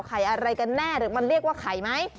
อะไรกันแน่หรือมันเรียกว่าไข่ไหม